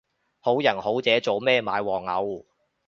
好人好姐做咩買黃牛